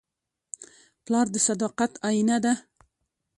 پلار د صداقت آیینه ده.